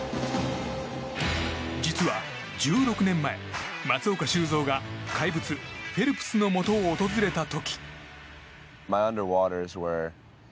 実は１６年前、松岡修造が怪物フェルプスのもとを訪れた時。